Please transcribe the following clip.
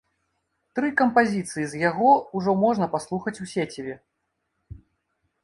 Тры кампазіцыі з яго ўжо можна паслухаць у сеціве.